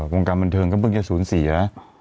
วงการบันเทิงก็เพิ่งจะ๐๔แล้วนะ